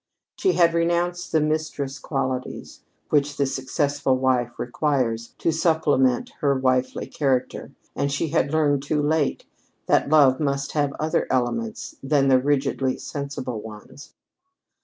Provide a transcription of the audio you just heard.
She had renounced the mistress qualities which the successful wife requires to supplement her wifely character, and she had learned too late that love must have other elements than the rigidly sensible ones.